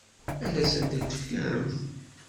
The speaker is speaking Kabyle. Ad asent-tent-tefkemt?